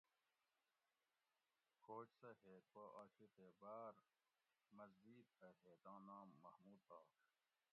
فوج سہ ھیت پا آشی تے باۤر مضبِیت اۤ ھیت آں نام محمود آش